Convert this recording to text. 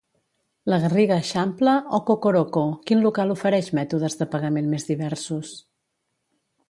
La Garriga Eixample o Cocoroco, quin local ofereix mètodes de pagament més diversos?